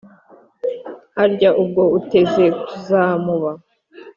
harya ubwo uteze kuzamuba